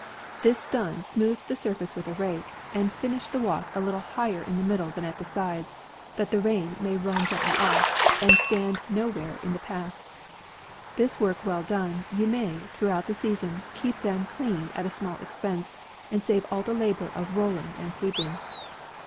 This done, smooth the sur face with a rake, and finish the walk a little higher in the middle than at the sides, that the rain may run gently off, and stand no where in the path. This work well done, you may, throughout the season, keep them clean at a small expense, and save all the la bour of rolling and sweeping.